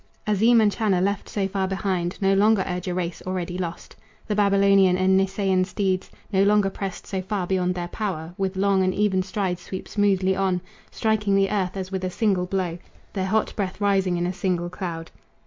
Azim and Channa, left so far behind, No longer urge a race already lost. The Babylonian and Nisaean steeds, No longer pressed so far beyond their power, With long and even strides sweep smoothly on, Striking the earth as with a single blow, Their hot breath rising in a single cloud.